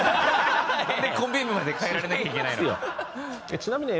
なんでコンビ名まで変えられなきゃいけないの。